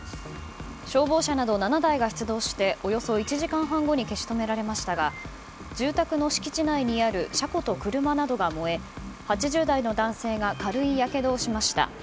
消防車など７台が出動しておよそ１時間半後に消し止められましたが住宅の敷地内にある車庫と車などが燃え８０代の男性が軽いやけどをしました。